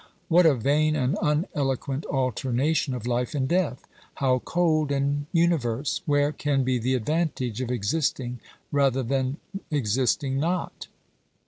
What a vain and uneloquent alternation of life and death ! How cold an universe ! Where can be the advantage of existing rather than existing not